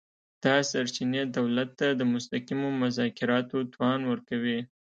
دا سرچینې دولت ته د مستقیمو مذاکراتو توان ورکوي